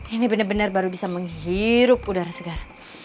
ini bener bener baru bisa menghirup udara segar